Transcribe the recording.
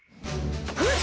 フッ！